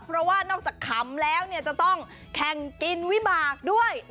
เพราะว่านอกจากขำแล้วจะต้องแข่งกินวิบากด้วย